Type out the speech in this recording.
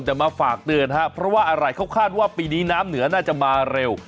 แต่มาฝากเตือนครับเพราะว่าอะไรเขาคาดว่าปีนี้น้ำเหนือน่าจะมาเร็ว